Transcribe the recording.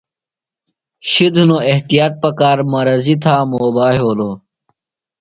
شِد ہِنوۡ احتیاط پکار، مرضی تھامبا یھولوۡ